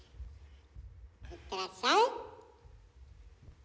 行ってらっしゃい。